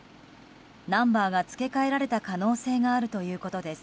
ナンバーが付け替えられた可能性があるということです。